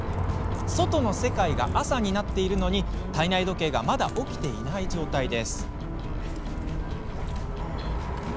外の世界が朝になっているのに体内時計がまだ起きていない状態です。